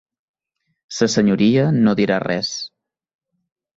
Sa Senyoria no dirà res.